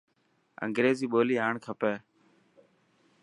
انگريزي ٻولي آڻ کپي.